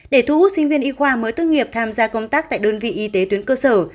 để thu hút sinh viên y khoa mới tốt nghiệp tham gia công tác tại đơn vị y tế tuyến cơ sở